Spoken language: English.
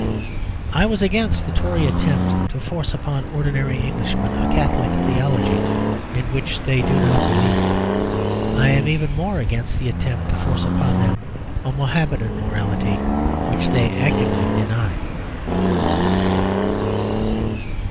I was against the Tory attempt to force upon ordinary Englishmen a Catholic theology in which they do not believe. I am even more against the attempt to force upon them a Mohamedan morality which they actively deny.